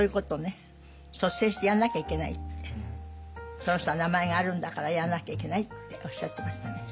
その人は名前があるんだからやらなきゃいけないっておっしゃってましたね。